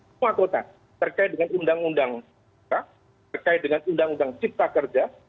semua kota terkait dengan undang undang sifat kerja